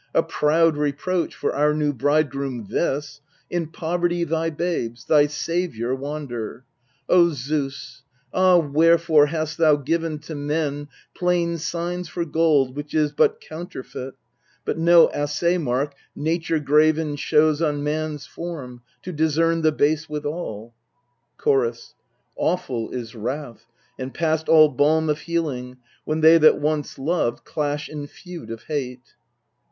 A proud reproach for our new bridegroom this In poverty thy babes, thy saviour, wander ! O Zeus, ah, wherefore hast thou given to men Plain signs for gold which is but counterfeit, But no assay mark Nature graven shows On man's form, to discern the base withal ? Chorus. Awful is wrath, and past all balm of healing, When they that once loved clash in feud of hate.